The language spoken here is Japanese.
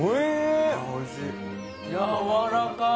やわらかい！